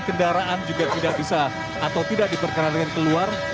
kendaraan juga tidak bisa atau tidak diperkenankan keluar